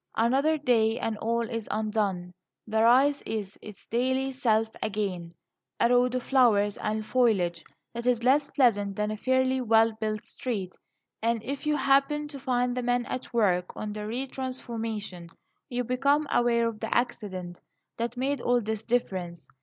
Another day and all is undone. The Rise is its daily self again a road of flowers and foliage that is less pleasant than a fairly well built street. And if you happen to find the men at work on the re transformation, you become aware of the accident that made all this difference.